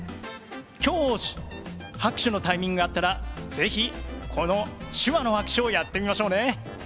今日拍手のタイミングがあったら是非この手話の拍手をやってみましょうね！